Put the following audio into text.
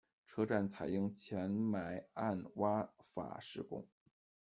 车站采用浅埋暗挖法施工。